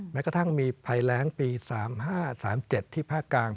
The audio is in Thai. แม้กระทั่งมีภัยแรงปี๓๕๓๗ที่ภาคกลาง